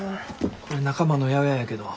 これ仲間の八百屋やけど。